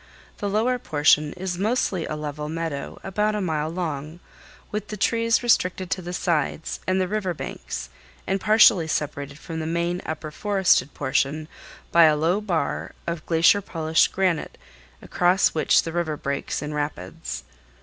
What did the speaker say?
The lower portion is mostly a level meadow about a mile long, with the trees restricted to the sides and the river banks, and partially separated from the main, upper, forested portion by a low bar of glacier polished granite across which the river breaks in rapids.